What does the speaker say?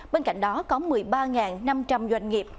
bên cạnh đó có một mươi ba năm trăm linh doanh nghiệp